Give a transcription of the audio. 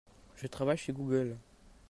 Je travaille chez Google.